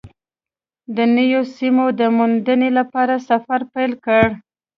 د نویو سیمو د موندنې لپاره سفر پیل کړ.